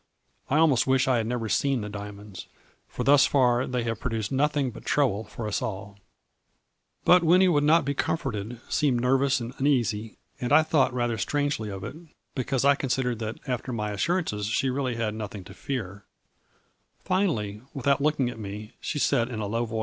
I almost wish I had never seen the diamonds, for thus far they have produced nothing but trouble for us all/ " But Winnie would not be comforted, seemed nervous and uneasy and I thought rather strangely of it, because I considered that after my assurances she really had nothing to fear Finally, without looking at me, she said in a low.